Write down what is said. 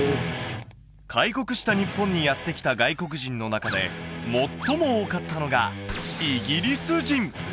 開国した日本にやって来た外国人の中で最も多かったのがイギリス人！